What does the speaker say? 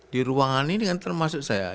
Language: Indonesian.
di ruangan ini kan termasuk saya